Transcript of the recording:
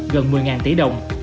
gần một mươi tỷ đồng